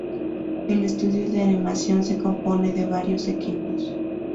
El estudio de animación se compone de varios equipos.